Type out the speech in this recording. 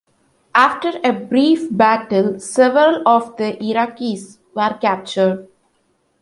After a brief battle, several of the Iraqis were captured.